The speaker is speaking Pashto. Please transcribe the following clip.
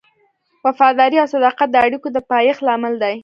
وفاداري او صداقت د اړیکو د پایښت لامل دی.